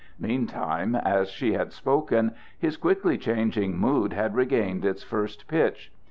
Meantime, as she had spoken, his quickly changing mood had regained its first pitch.